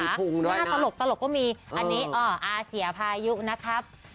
มีภูมิด้วยนะตลกตลกก็มีอันนี้เอ่ออ่าเสียพายุนะครับ